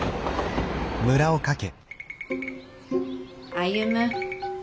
歩。